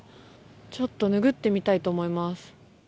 ちょっと拭ってみたいと思います。